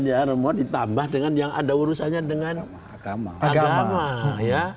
ya ditambah dengan yang ada urusannya dengan agama ya